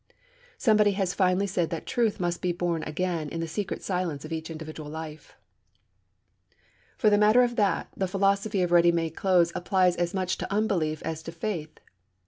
Somebody has finely said that Truth must be born again in the secret silence of each individual life. For the matter of that, the philosophy of ready made clothes applies as much to unbelief as to faith.